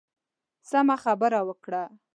سمه خبره وکړه.